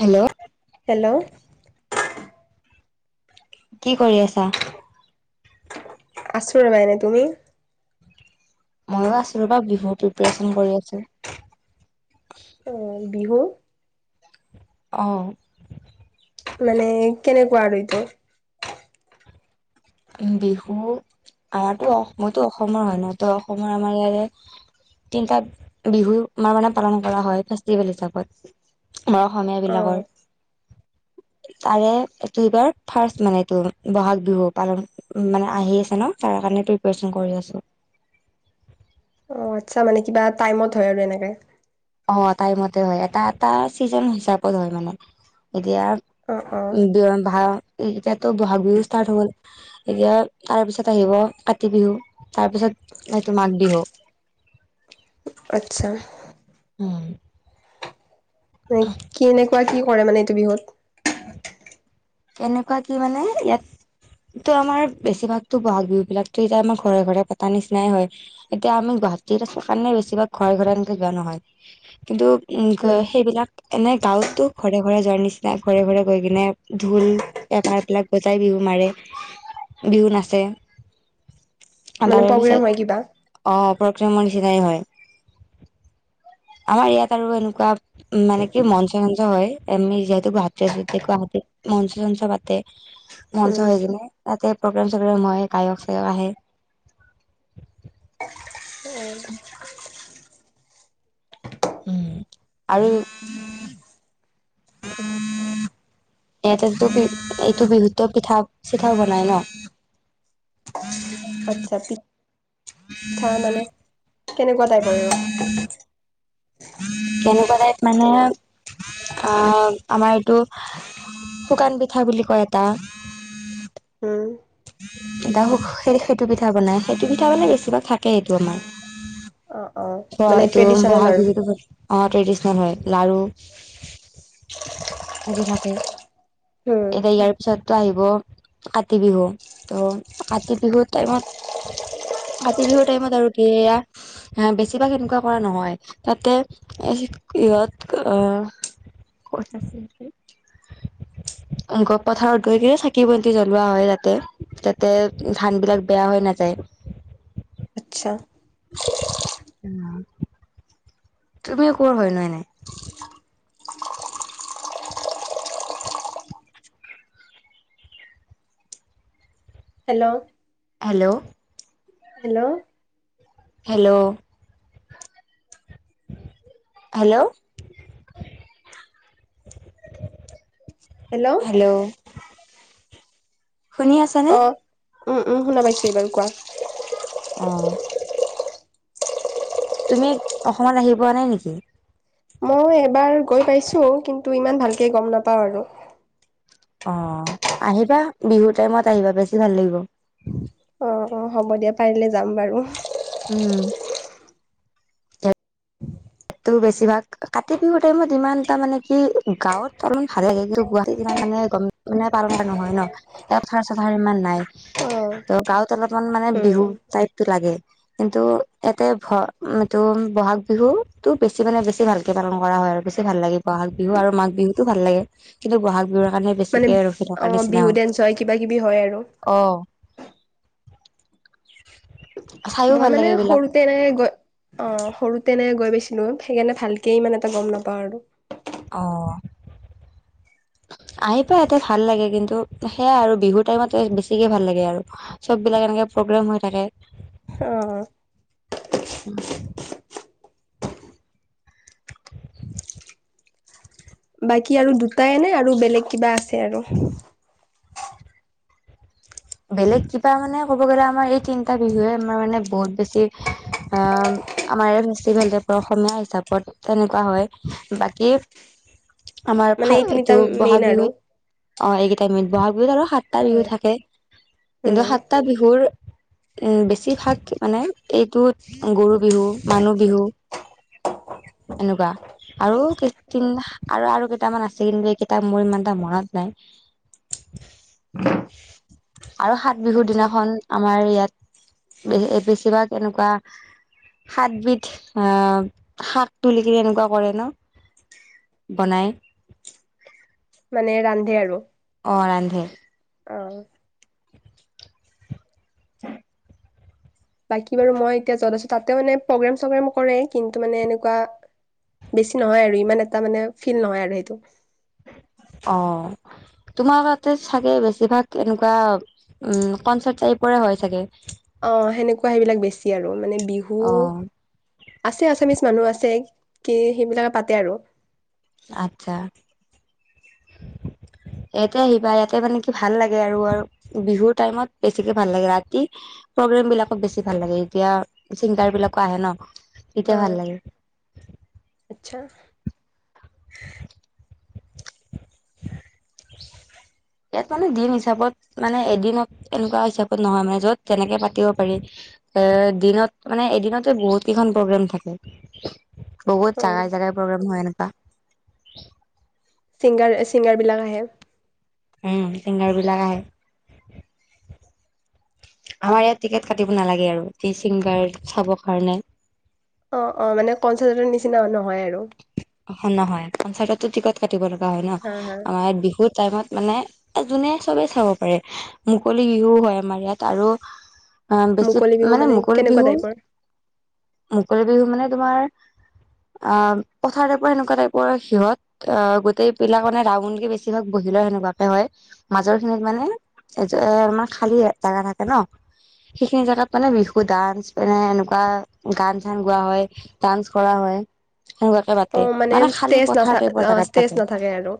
Hello. Hello. কি কৰি আছা। আছো ৰবা এনে তুমি। মইো আছোঁ ৰবা বিহুৰ প্ৰিপাৰেচন কৰি আছোঁ। অ বিহু। অঁ। মানে কেনেকুৱা আৰু এইটো। বিহু আৰাতো মইতো অসমৰ হয় নহ ত অসমৰ আমাৰ ইয়াৰে। তিনিটা বিহু আমাৰ মানে পালন কৰা হয় ফেষ্টিভেল হিচাপত। আমাৰ অসমীয়া অ বিলাকৰ। তাৰে এইটো এইবাৰ ফাৰ্ষ্ট মানে এইটো বহাগ বিহু। পালন মানে আহি আছে ন তাৰ কাৰণে প্ৰিপেয়াৰেচন কৰি আছোঁ। অঁ আচ্ছা মানে কিবা টাইমত হয় আৰু এনেকৈ। অ টাইমতে হয় এটা এটা ছিজন হিচাপত হয় মানে এতিয়া। অ অ। ভা এতিয়াতো বহাগ বিহু ষ্টাৰ্ট হ'ল। এতিয়া তাৰপিছত আহিব কাতি বিহু তাৰপিছত এইটো মাঘ বিহু। আচ্ছা। উম। মানে কেনেকুৱা কি কৰে মানে এইটো বিহুত। কেনেকুৱা কি মানে ইয়াত। তো আমাৰ বেছিভাগতো বহাগ বিহু বিলাকতো এতিয়া আমাৰ ঘৰে ঘৰে পতা নিচিনাই হয়। এতিয়া আমি গুৱাহাটীত আছো কাৰণে বেছিভাগ ঘৰে ঘৰে এনেকে কিবা নহয় কিন্তু। উম ক সেইবিলাক এনেই গাঁৱতো ঘৰে ঘৰে যোৱাৰ নিচিনা ঘৰে ঘৰে গৈ কিনে। ঢোল পেঁপা এইবিলাক বজাই বিহু মাৰে বিহু নাচে। মানে তাৰে প্ৰগ্ৰেম পিছত হয় কিবা অ প্ৰগ্ৰেমৰ নিচিনাই হয়। আমাৰ ইয়াত আৰু এনেকুৱা উম মানে কি মঞ্চ চঞ্চ হয় আমি যিহেতু গুৱাহাটীৰতে আছো এতিয়া গুৱাহাটীত মঞ্চ চঞ্চ পাতে উম মঞ্চ হৈ কিনে তাতে প্ৰগ্ৰেম চগ্ৰেম হয় গায়ক চায়ক আহে [inaudible] উম আৰু [inaudible] এনেইটো এইটো বিহুতে পিঠা চিঠা বনাই ন আচ্ছা পিঠা মানে কেনেকুৱা টাইপৰ আৰু? কেনেকুৱা ঠাইপ মানে আ আমাৰ এইটো শুকান পিঠা বুলি কয় এটা উম এটা শু সেইটো পিঠা বনাই সেইটো পিঠা মানে বেছিভাগ থাকেই এইটো আমাৰ অ অ মানে এইটো ট্ৰেডিচনেল বহাগ আৰু বিহুত অ ট্ৰেডিচনেল হয় লাৰু, আদি থাকে। উম এতিয়া ইয়াৰ পিছতো আহিব কাতি বিহু। ত' কাতি বিহুৰ টাইমত কাতি বিহুৰ টাইমত আৰু কি এয়া আহ বেছিভাগ এনেকুৱা কৰা নহয় তাতে ইহঁত আহ ক'ত আছে এতিয়া গ পথাৰত গৈ কিনে চাকি বন্তি জলোৱা হয় তাতে। যাতে ধান বিলাক বেয়া হৈ নাযায়। আচ্ছা। অঁ তুমি কৰ হয় নো এনেই? Hello! Hello! Hello! Hello! Hello! Hello! Hello! শুনি আছা নে? অ উম উম শুনা পাইছো এইবাৰ কোৱা অ তুমি অসমত আহি পোৱা নাই নেকি? মই এবাৰ গৈ পাইছো কিন্তু ইমান ভালকে গম নাপাওঁ আৰু। অ আহিবা বিহু টাইমত আহিবা বেছি ভাল লাগিব। অঁ হ'ব দিয়া পাৰিলে যাম বাৰু। উম তোৰ বেছিভাগ কাতি বিহু টাইমত ইমানটা মানে কি গাঁৱত অলপমান ভাল লাগে কিন্তু গুৱাহাটীত ইমান মানে গম মানে পালন কৰা নহয় ন এয়াত পথাৰ চথাৰ ইমান নাই। অ ত' গাঁৱত অলপমান মানে উম বিহু টাইপটো লাগে কিন্তু ইয়াতে ভ এইটো বহাগ বিহু তো বেছি মানে বেছি ভালকে পালন কৰা হয় আৰু বেছি ভাল লাগে বহাগ বিহু আৰু মাঘ বিহুতো ভাল লাগে। কিন্তু বহাগ বিহুৰ কাৰণে মানে বেছিকে ৰখি অ বিহু ডেন্স হয় কিবা কিবি হয় আৰু? অঁ। মই মানে এইবিলাক সৰু তে মানে গৈ অ', সৰুতে মানে গৈ পাইছিলো, সেইকাৰণে ভালকে ইমান এটা গম নাপাওঁ আৰু অ' আহি পাই ইয়াতে, ভাল লাগে, কিন্তু সেয়াই আৰু বিহুৰ টাইমত বেছিকে ভাল লাগে আৰু। চববিলাক এনেকে প্ৰগ্ৰেম হৈ থাকে। অ'। উম। বাকী আৰু দুটাই নে আৰু বেলেগ কিবা আছে আৰু। বেলেগ কিবা মানে, ক'ব গ'লে আমাৰ এই তিনিটা বিহুৱে আমাৰ মানে বহুত বেছি আ, আমাৰে ফেষ্টিভেল টাইপত, অসমীয়া হিচাপত তেনেকুৱা হয়। বাকী, আমাৰ মানে ফাল এই তিনিটা এইটো মেইন বহাগ আৰু বিহুত। অ', এইকেইটা মেইন, বহাগ বিহুত আৰু সাতটা অ বিহু থাকে। কিন্তু উম সাতটা বিহুৰ, উ বেছিভাগ মানে এইটোত গৰু বিহু, মানুহ বিহু এনেকুৱা আৰু অ কৃত্ৰিম সা আৰু আৰু কেইটামান আছিল এইকেইটা মোৰ ইমান এটা মনত নাই। [unintelligible] আৰু সাত বিহুৰ আচ্ছা দিনাখন, আমাৰ ইয়াত বে-বেছিভাগ এনেকুৱা সাতবিধ আ শাক তুলি তুলি এনেকুৱা কৰে ন। বনায় মানে ৰান্ধে আৰু। অ', ৰান্ধে। অ' [unintelligible] বাকী বাৰু মই এতিয়া য'ত আছো, তাতে মানে প্ৰগ্ৰেম চগ্ৰেম কৰে কিন্তু মানে এনেকুৱা বেছি নহয় আৰু ইমান এটা মানে ফিল নহয় আৰু সেইটো। অ', তোমাৰ তাতে চাগে বেছিভাগ এনেকুৱা উম, কনচাৰ্ট টাইপৰে হয় চাগে। অ', সেনেকুৱা সেইবিলাক বেছি আৰু মানে বিহু অ আছে, আচামিছ মানুহ আছে, কি সেইবিলাকে পাতে আৰু। আচ্ছা। ইয়াতে আহিবা, ইয়াতে মানে কি ভাল লাগে আৰু আৰু বিহুৰ টাইমত বেছিকে ভাল লাগে, ৰাতি প্ৰগ্ৰেম বিলাকত বেছি ভাল লাগে, যেতিয়া চিংগাৰ বিলাকো আহে ন, অ তেতিয়া ভাল লাগে। আচ্ছা। [unintelligible] ইয়াত মানে দিন হিচাপত মানে এদিনত এনেকুৱা হিচাপত নহয় মানে য'ত যেনেকে পাতিব পাৰি। এ, দিনত মানে এদিনতে বহুত কেইখন প্ৰগ্ৰেম থাকে। অ বহুত জাগাই জাগাই প্ৰগ্ৰেম হয় এনেকুৱা। চিংগাৰ এ, চিংগাৰ বিলাক আহে। উম, ছিংগাৰবিলাক আহে। আমাৰ ইয়াত টিকেট কাটিব নালাগে আৰু তি চিংগাৰ চাবৰ কাৰণে। অ', অ', মানে কনচাৰ্টৰ নিচিনা নহয় আৰু। অ', নহয় কনচাৰ্টটো টিকট কাটিব লগা হয় ন, হা হা আমাৰ বিহুৰ টাইমত মানে এ, যোনে চবেই চাব পাৰে, মুকলি বিহু হয় আমাৰ ইয়াত আৰু অ', বেছি মুকলি বিহু মানে, মুকলি কেনেকুৱা বিহু টাইপৰ মুকলি বিহু মানে তোমাৰ আ পথাৰ টাইপৰ সেনেকুৱা টাপইৰ সিহঁত অ গোটেইবিলাক মানে ৰাউণ্ডকে বেছিভাগ বহি লয় সেনেকুৱাকে হয়। মাজৰখিনিত মানে এ যে আমাৰ খালী জাগা থাকে ন সেইখিনি জাগাত মানে বিহু ডান্স মানে এনেকুৱা গান চান গোৱা হয়। ডান্স কৰা হয় সেনেকুৱাকে অ পাতে মানে খালী ষ্টেজ পথাৰ নাথা টাইপৰ অ জাগাত ষ্টেজ পাতে। নাথাকে আৰু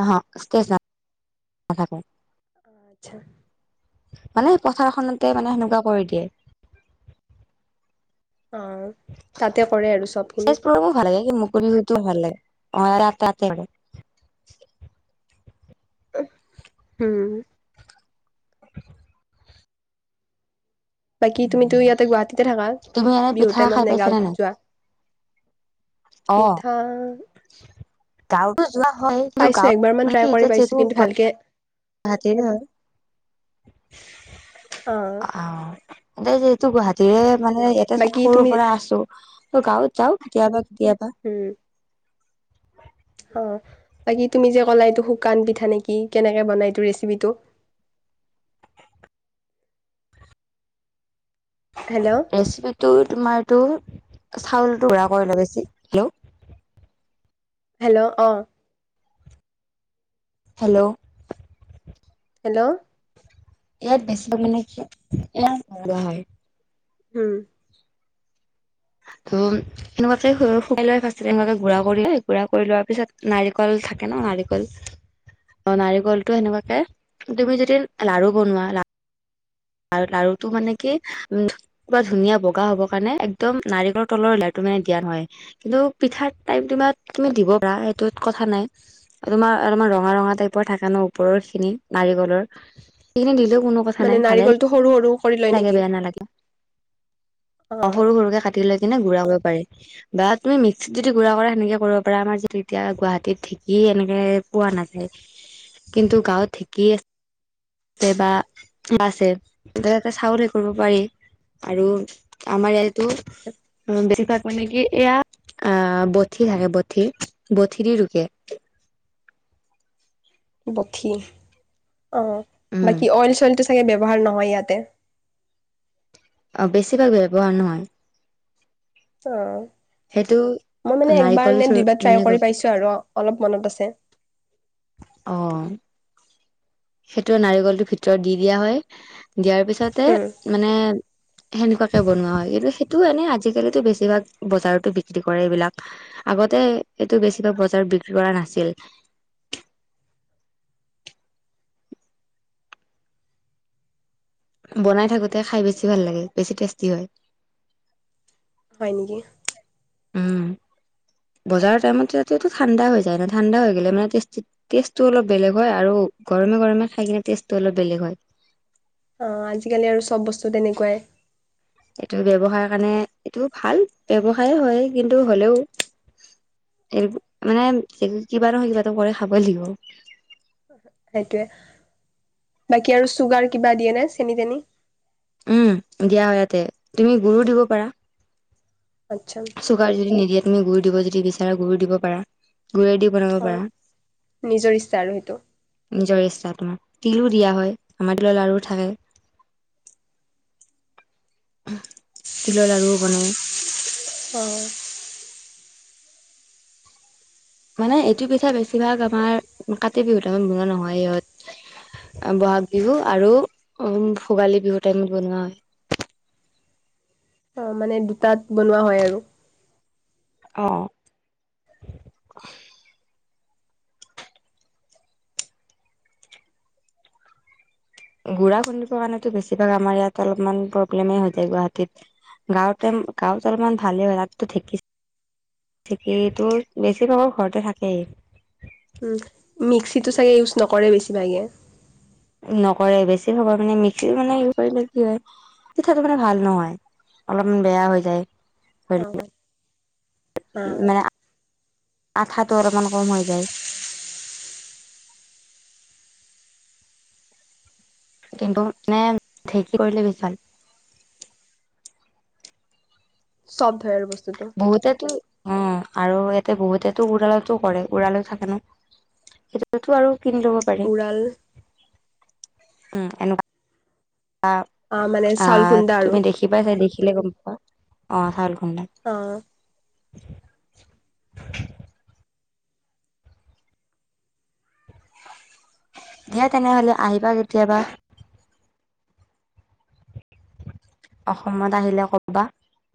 অহ ষ্টেজ না নাথাকে। আচ্ছা মানে পথাৰখনতে মানে সেনেকুৱা কৰি দিয়ে। অ তাতে কৰে আৰু চবখিনি ষ্টেজ বিহুবোৰো ভালেই লাগে মুকলি বিহুটোও ভাল লাগে অ ৰা তা তাতে হয় উম হুম বাকী তুমিতো ইয়াতে গুৱাহাটীতে থাকা তুমি এনে বিহুৰ পিঠা খাই টাইমত নে পাইছানে নাই গাঁৱত যোৱা। পিঠাৰ গাঁওটো যোৱা হয় কিন্তু পাইছো গাঁওত একবাৰ মান মানে কি ট্ৰাই কৰি এতিয়া পাইছো যিহেতু কিন্তু ভালকে গুৱাহাটীৰ হয়। অ অ' এইয়াতে যিহেতু গুৱাহাটীৰে মানে ইয়াতে বাকী সৰু তুমি পৰা আছো ত' গাঁওত যাওঁ কেতিয়াবা কেতিয়াবা। উম অ' বাকী তুমি যে ক'লা এইটো শুকান পিঠা নে কি কেনেকে বনাই এইটো ৰেচিপিটো। হেল্ল ৰেচিপিটো তোমাৰ এইটো চাউলটো গুৰা কৰি লৈ বেছি হেল্ল হেল্ল' অ হেল্ল হেল্ল' ইয়াত বেছি মানে কি ইয়াৰ খোৱা হয় হুম [unintelligible] এনেকুৱাকে শু শুকাই লয় ফাষ্টতে এনেকুৱাকে গুড়া কৰি লয় গুড়া কৰি লোৱাৰ পিছত নাৰিকল থাকে ন নাৰিকল অ' নাৰিকলটো সেনেকুৱাকে তুমি যদি লাৰু বনোৱা লা আৰু লাৰুটো মানে কি উম একেবাৰে ধুনীয়া বগা হ'বৰ কাৰণে একদম নাৰিকলৰ তলৰ লেৰাটো মানে দিয়া নহয়। কিন্তু পিঠাৰ টাইমটো তুমি দিব পাৰা সেইটোত কথা নাই। তোমাৰ অলপমান ৰঙা ৰঙা টাইপৰ থাকে ন ওপৰৰ খিনি নাৰিকলৰ সেইখিন দিলেও কোনো কথা নাই ভালে টো সৰু সৰু কৰি ভালে লয় লাগে নেকি বেয়া নালাগে অ সৰু সৰুকে কাটি লৈ কিনে গুৰা কৰিব পাৰি। বা তুমি মিক্সিত যদি গুড়া কৰা সেনেকে কৰিব পাৰা আমাৰ যিহেতু এতিয়া গুৱাহাটীত ঢেকি এনেকে- পোৱা নাযায় কিন্তু গাঁৱত ঢেকি আছে বা বাছে তাতে চাউল হেৰি কৰিব পাৰি আৰু আমাৰ ইয়াতো অ বেছিভাগ মানে কি এয়া অ বঠি থাকে বঠি বঠি দি ৰুকে। বঠি অ' উম বাকী অইল চইলটো চাগে ব্যৱহাৰ নহয় ইয়াতে। অ' বেছিভাগ ব্যৱহাৰ নহয়। অঁ। সেইটো মই মানে একবাৰ নাৰিকল নে চোৰ দুবাৰ মানে ট্ৰাই কৰি পাইছো আৰু, অলপ মনত আছে। অঁ। সেইটোৱে নাৰিকলটোৰ ভিতৰত দি দিয়া হয়, দিয়াৰ উম পিছতে মানে সেনেকুৱাকে বনোৱা হয়, কিন্তু সেইটো এনেই আজিকালিতো বেছিভাগ বজাৰতো বিক্ৰী কৰে এইবিলাক। আগতে এইটো বেছিভাগ বজাৰত বিক্ৰী কৰা নাছিল। বনাই থাকোতে খাই বেছি ভাল লাগে, বেছি টেষ্টি হয়। হয় নেকি। উম, বজাৰৰ টাইমত সেইটো এইটো ঠাণ্ডা হৈ যায় ন, ঠাণ্ডা হৈ গ'লে মানে টেষ্টিত টেষ্টটো অলপ বেলেগ হয়, আৰু গৰমে গৰমে খাই কিনে টেষ্টটো অলপ বেলেগ হয়। অঁ, আজিকালি আৰু চব বস্তু তেনেকুৱাই। এইটো ব্যৱসায় কাৰণে এইটো ভাল ব্যৱসায় হয়, কিন্তু হ'লেও এইটো মানে কিবা নহয় কিবা এটা কৰি খাবই লাগিব। সেইটোৱে বাকী আৰু চুগাৰ কিবা দিয়ে নে চেনি তেনি। উম, দিয়া হয় ইয়াতে তুমি, গুুৰো দিব পাৰা। আচ্ছা। চুগাৰ যদি নিদিয়ে তুমি গুড় দিব যদি বিচাৰা গুুৰ দিব পাৰা। গুৰে দি বনাব অ পাৰা। নিজৰ ইচ্ছা আৰু সেইটো নিজৰ ইচ্ছা তোমাক তিলো দিয়া হয় আমাৰ তিলৰ লাড়ু থাকে। তিলৰ লাড়ুও বনাই। অঁ। মানে এইটো পিঠা বেছিভাগ আমাৰ কাতি বিহুত আমাৰ বনোৱা নহয়। বহাগ বিহু আৰু ভোগালী বিহু টাইমত বনোৱা হয়। অঁ মানে দুটাত বনোৱা হয় আৰু। অঁ। গুড়া খুন্দিবৰ কাৰণেতো বেছিভাগ আমাৰ ইয়াত অলপমান প্ৰব্লেমেই হৈ যায় গুৱাহাটীত। গাঁৱতে গাঁওতো অলপমান ভালে হয় তাতো ঢেকিছে ঢ়েকীটো বেছি ভাগৰ ঘৰতে থাকেই। উম, মিক্সিতটো চাগে ইউজ নকৰে বেছিভাগে। নকৰে বেছি খাবৰ মানে মিক্সিত মানে ই কৰিলে কি হয়। পিঠাটো মানে ভাল নহয়, অলপমান বেয়া হৈ যায়। অ', অ', মানে আঠাটো অলপমান কম হৈ যায়। কিন্তু মানে ঢেঁকী কৰিলে বেছি ভাল। চফ্ট হয় আৰু বস্তুটো। বহুতেটো অঁ আৰু ইয়াতে বহুতেতো উৰালতো কৰে উৰাল থাকে ন। সেইটোতো আৰু কিন্তু উওৰাল উ এনেকুৱা অ', মানে চাউল আহ খুন্দা আৰু তুমি দেখি বাই, সেই চাই দেখিলে গম পাবা অঁ চাউল খোন নাই। অঁ। দিয়া তেনেহলে আহিবা কেতিয়াবা। অসমত আহিলে ক